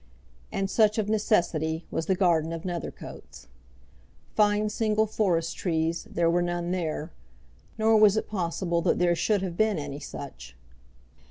And such, of necessity, was the garden of Nethercoats. Fine single forest trees there were none there, nor was it possible that there should have been any such.